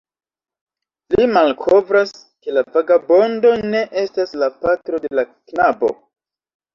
Li malkovras, ke la vagabondo ne estas la patro de la knabo.